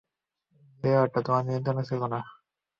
যে ওটা তোমার নিয়ন্ত্রণে ছিল না।